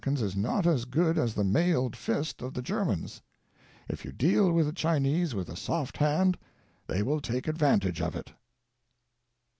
The soft hand of the Americans is not as good as the mailed fist of the Germans. If you deal with the Chinese with a soft hand they will take advantage of it.'